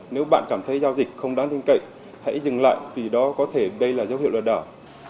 nếu bạn cảm thấy giao dịch không đáng tin cậy hãy dừng lại vì đó có thể đây là dấu hiệu lừa đảo